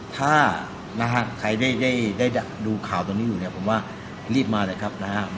ถ้านะฮะใครได้ดูข่าวตรงนี้อยู่เนี่ยผมว่ารีบมาเลยครับนะฮะ